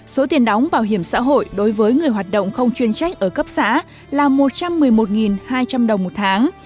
số tiền đóng bảo hiểm xã hội đối với người hoạt động không chuyên trách ở cấp xã là một trăm một mươi một hai trăm linh đồng một tháng